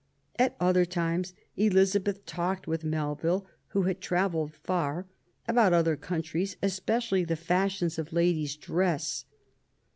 At other times Elizabeth talked with Melville, who had travelled far, about other countries, especially the fashions of ladies' dress.